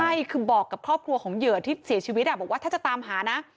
ใช่คือบอกกับครอบครัวของเหยื่อที่เสียชีวิตบอกว่าถ้าจะตามหานะ